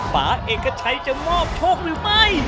ฟ้าเอกชัยจะมอบโชคหรือไม่